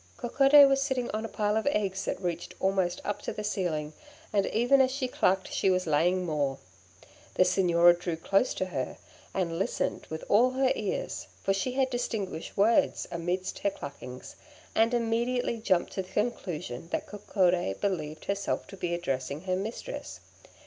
Coccodé was sitting on a pile of eggs that reached almost up to the ceiling, and even as she clucked she was laying more. The Signora drew close to her, and listened with all her ears, for she had distinguished words amidst her cluckings, and immediately jumped to the conclusion that Coccodé believed herself to be addressing her mistress.